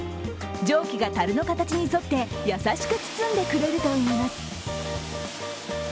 蒸気がたるの形に沿って、優しく包んでくれるといいます。